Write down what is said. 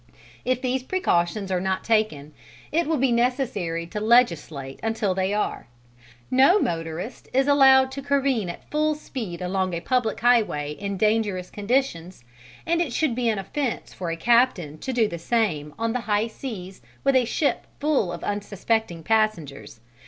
If these precautions are not taken, it will be necessary to legislate until they are. No motorist is allowed to career at full speed along a public highway in dangerous conditions, and it should be an offence for a captain to do the same on the high seas with a ship full of unsuspecting passengers.